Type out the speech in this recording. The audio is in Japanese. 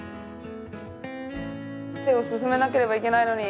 手を進めなければいけないのに。